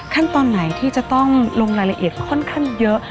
ขั้นตอนไหนที่จะต้องลงรายละเอียดค่อนข้างเยอะ